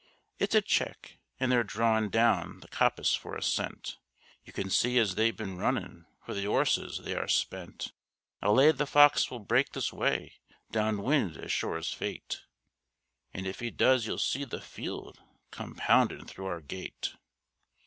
It's a check, and they are drawin' down the coppice for a scent, You can see as they've been runnin', for the 'orses they are spent; I'll lay the fox will break this way, downwind as sure as fate, An' if he does you'll see the field come poundin' through our gate.